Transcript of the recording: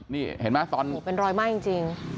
นี่เห็นมั้ยตอนเป็นรอยไหม้จริง